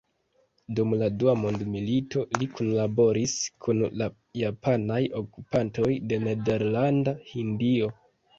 Dum la Dua mondmilito li kunlaboris kun la japanaj okupantoj de Nederlanda Hindio.